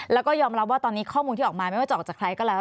แล้วก็ยอมรับว่าตอนนี้ข้อมูลที่ออกมาไม่ว่าจะออกจากใครก็แล้ว